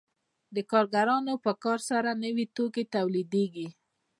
د کارګرانو په کار سره نوي توکي تولیدېږي